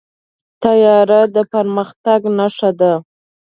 طیاره د پرمختګ نښه ده.